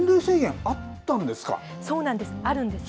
そうなんです、あるんですね。